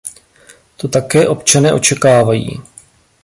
To také občané očekávají.